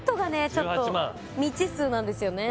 ちょっと未知数なんですよね